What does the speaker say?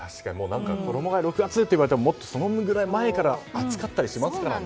衣替えは６月って言われてももっとその前から暑かったりしますからね。